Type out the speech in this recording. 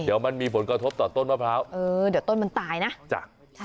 เดี๋ยวมันมีผลกระทบต่อต้นมะพร้าวเออเดี๋ยวต้นมันตายนะจ้ะ